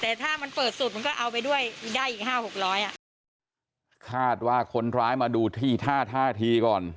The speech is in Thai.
แต่ถ้ามันเปิดสุดมันก็เอาไปด้วยได้อีกห้าหกร้อยอ่ะคาดว่าคนร้ายมาดูที่ท่าท่าทีก่อน